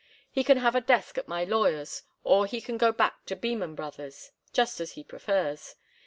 He can have a desk at my lawyer's, or he can go back to Beman Brothers', just as he prefers.